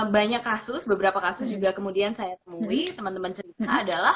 banyak kasus beberapa kasus juga kemudian saya temui teman teman cerita adalah